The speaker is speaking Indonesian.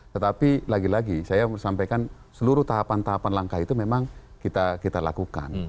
tetapi lagi lagi saya sampaikan seluruh tahapan tahapan langkah itu memang kita lakukan